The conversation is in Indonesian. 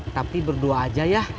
tapi berdua aja yah